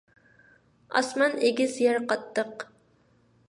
ئاسمان ئېگىز، يەر قاتتىق.